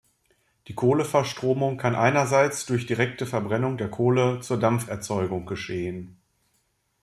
Die Kohleverstromung kann einerseits durch direkte Verbrennung der Kohle zur Dampferzeugung geschehen.